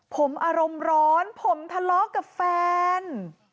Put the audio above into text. ผมอารมณ์ร้อนผมทะเลาะกับแฟน